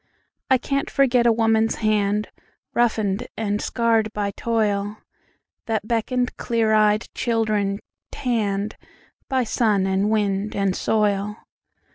I can't forget a woman's hand, Roughened and scarred by toilThat beckoned clear eyed children tannedBy sun and wind and soil.